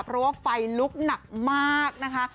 เพราะว่าไฟลุกหนักมากนะคะ